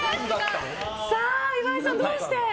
岩井さん、どうして。